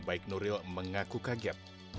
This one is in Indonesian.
baik nuril mengaku kaget